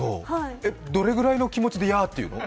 どれくらいの気持ちで「ヤー！」って言うの？